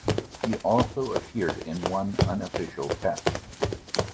He also appeared in one unofficial Test.